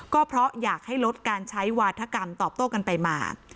ก็เพราะอยากให้ลดการใช้วาธกรรมตอบโต้กันไปมา